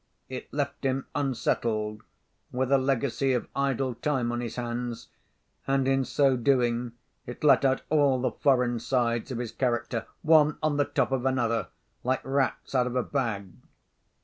It left him unsettled, with a legacy of idle time on his hands, and, in so doing, it let out all the foreign sides of his character, one on the top of another, like rats out of a bag.